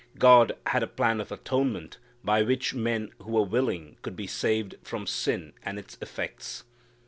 God had a plan of atonement by which men who were willing could be saved from sin and its effects.